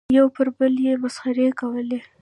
یو پر بل یې مسخرې کولې.